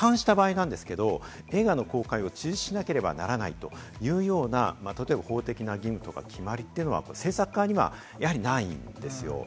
これに違反した場合なんですけれど、映画の公開を中止しなければならないというような法的な義務とか決まりというのは、制作側にはないんですよ。